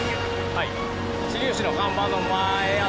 はい。